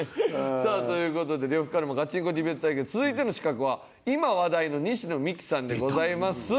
さあという事で呂布カルマガチンコディベート対決続いての刺客は今話題の西野未姫さんでございます。